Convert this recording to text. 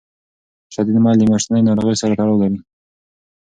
شدید میل د میاشتنۍ ناروغۍ سره تړاو لري.